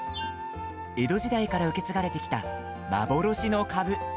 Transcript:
江戸時代から受け継がれてきた幻のカブ。